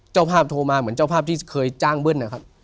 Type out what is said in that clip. เจ้าภาพโทรมาเหมือนเจ้าภาพที่เคยจ้างเบิ้ลนะครับ